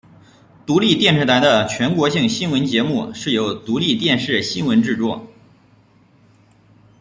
独立电视台的全国性新闻节目是由独立电视新闻制作。